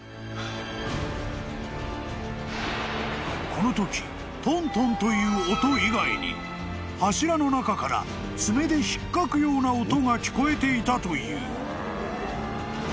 ［このときトントンという音以外に柱の中から爪で引っかくような音が聞こえていたという］